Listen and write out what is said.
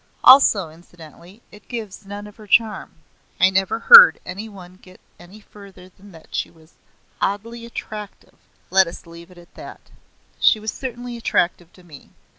Also, incidentally, it gives none of her charm. I never heard any one get any further than that she was "oddly attractive" let us leave it at that. She was certainly attractive to me.